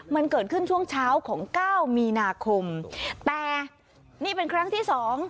มันเกิดขึ้นช่วงเช้าของเก้ามีนาคมแต่นี่เป็นครั้งที่สอง